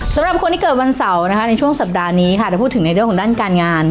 สำหรับคนที่เกิดวันเสาร์นะคะในช่วงสัปดาห์นี้ค่ะถ้าพูดถึงในเรื่องของด้านการงาน